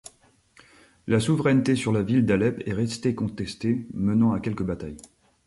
La souveraineté sur la ville d'Alep est restée contestée, menant à quelques batailles.